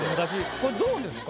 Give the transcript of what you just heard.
これどうですか？